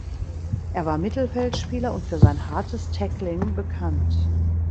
Er war Mittelfeldspieler und für sein hartes Tackling bekannt.